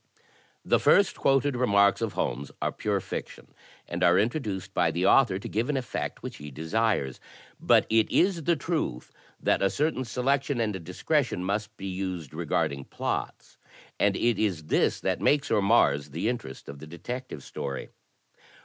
The first quoted remarks of Holmes are pure fiction and are introduced by the author to give an effect which he desires. But it is the truth that a certain selection and dis cretion must be used regarding plots, and it is this that makes or mars the interest of the Detective Story.